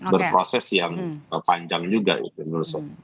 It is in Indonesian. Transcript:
berproses yang panjang juga itu menurut saya